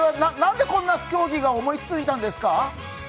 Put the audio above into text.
何でこんな競技を思いついたんですか？